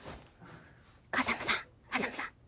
風真さん風真さん。